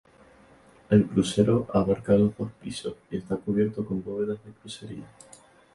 El crucero abarca los dos pisos y está cubierto con bóvedas de crucería.